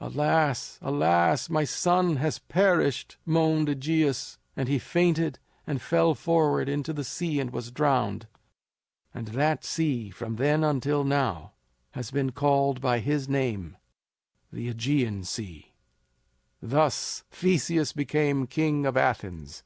"Alas! alas! my son has perished!" moaned AEgeus; and he fainted and fell forward into the sea and was drowned. And that sea, from then until now, has been called by his name, the Aegean Sea. Thus Theseus became king of Athens.